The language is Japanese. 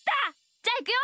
じゃあいくよ！